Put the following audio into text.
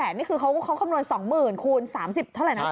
นี่คือเขาคำนวณ๒๐๐๐คูณ๓๐เท่าไหร่นะ